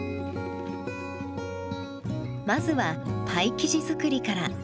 まずはパイ生地作りから。